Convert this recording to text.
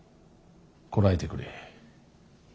こらえてくれ。